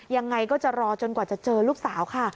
ยังไงก็จะรอจนกว่าจะเจอลูกสาวค่ะ